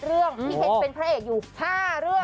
เรื่องพี่เคนเป็นพระเอกอยู่๕เรื่อง